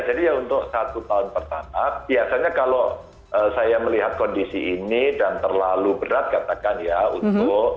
jadi ya untuk satu tahun pertama biasanya kalau saya melihat kondisi ini dan terlalu berat katakan ya untuk perusahaan pembangunan ya